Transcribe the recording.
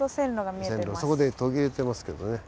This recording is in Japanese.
そこで途切れてますけどね。